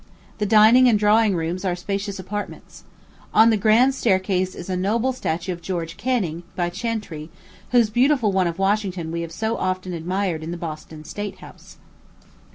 The dining and drawing rooms are spacious apartments. On the grand staircase is a noble statue of George Canning, by Chantrey, whose beautiful one of Washington we have so often admired in the Boston State House.